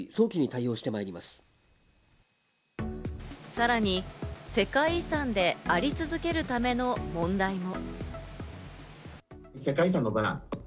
さらに世界遺産であり続けるための問題も。